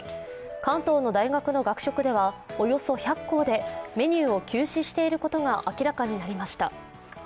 関東の大学の学食ではおよそ１００校でメニューを休止していることが明らかになりました。